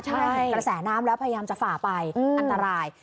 ใช่เห็นกระแสน้ำแล้วพยายามจะฝ่าไปอันตราย